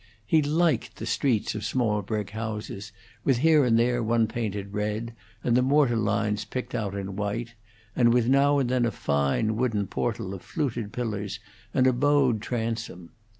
He liked the streets of small brick houses, with here and there one painted red, and the mortar lines picked out in white, and with now and then a fine wooden portal of fluted pillars and a bowed transom.